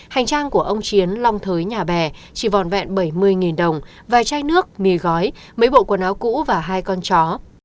hành trang của ông chiến long thới nhà bè chỉ vòn vẹn bảy mươi đồng vài chai nước mì gói mấy bộ quần áo cũ và hai con chó